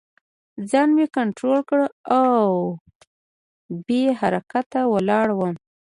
ځان مې کنترول کړی و او بې حرکته ولاړ وم